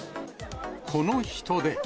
この人出。